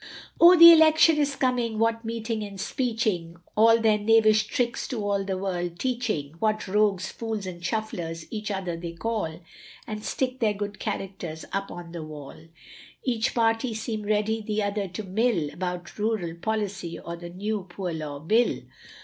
O the Election is coming, what meeting and speeching, All their knavish tricks to all the world teaching; What rogues, fools, and shufflers, each other they call, And stick their good characters up on the wall. Each party seem ready the other to mill, About rural policy, or the new poor law bill.